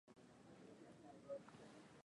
unapoona klabu maarufu kama acvilla